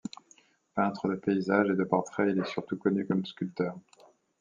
Peintre de paysages et de portraits, il est surtout connu comme sculpteur.